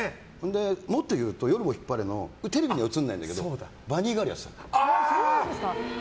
もっと言うと「夜もヒッパレ」のテレビには映らないんだけどバニーガールやってたの。